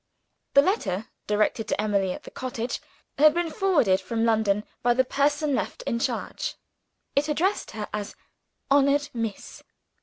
The letter, directed to Emily at the cottage, had been forwarded from London by the person left in charge. It addressed her as "Honored Miss."